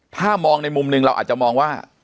ถ้ามองในมุมหนึ่งเราอาจจะมองว่า